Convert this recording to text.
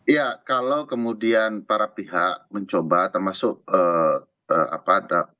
ya kalau kemudian para pihak mencoba termasuk apa